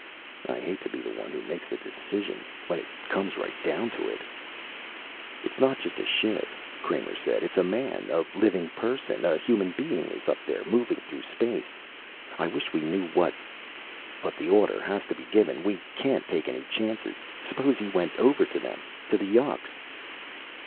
"I hate to be the one who makes the decision. When it comes right down to it " "It's not just a ship," Kramer said. "It's a man, a living person. A human being is up there, moving through space. I wish we knew what " "But the order has to be given. We can't take any chances. Suppose he went over to them, to the yuks."